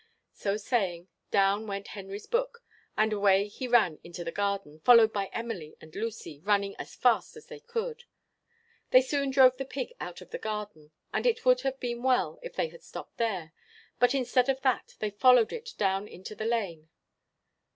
So saying, down went Henry's book, and away he ran into the garden, followed by Emily and Lucy, running as fast as they could. They soon drove the pig out of the garden, and it would have been well if they had stopped there; but, instead of that, they followed it down into the lane.